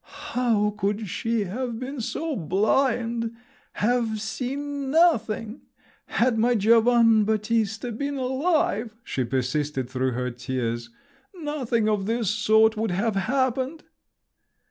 "How could she have been so blind—have seen nothing? Had my Giovann' Battista been alive," she persisted through her tears, "nothing of this sort would have happened!"